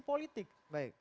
itu masih politik